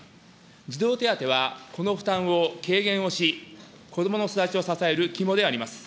児童手当はこの負担を軽減をし、子どもの育ちを支える肝であります。